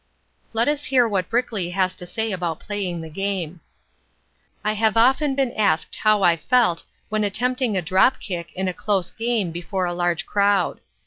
Let us hear what Brickley has to say about playing the game. "I have often been asked how I felt when attempting a drop kick in a close game before a large crowd.